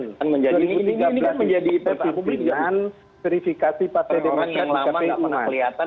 ini kan menjadi petik dengan verifikasi partai demokrat